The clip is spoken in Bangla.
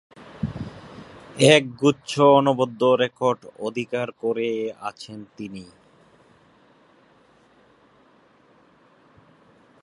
একগুচ্ছ অনবদ্য রেকর্ড অধিকার করে আছেন তিনি।